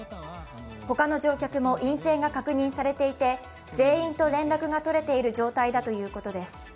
他の乗客も陰性が確認されていて、全員と連絡が取れている状態だということです。